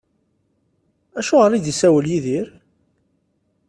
Acuɣer i d-isawel Yidir?